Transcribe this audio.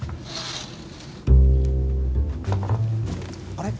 あれ？